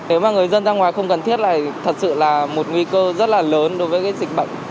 nếu mà người dân ra ngoài không cần thiết này thật sự là một nguy cơ rất là lớn đối với cái dịch bệnh